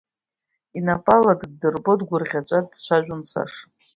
Инапала ддырбо, дгәырӷьаҵәа дцәажәон Саша.